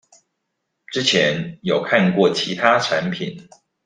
之前有看過其他產品